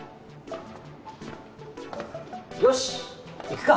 よし行くか。